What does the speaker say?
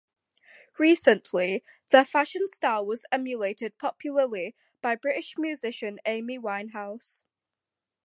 Recently, their fashion style was emulated popularly by British musician Amy Winehouse.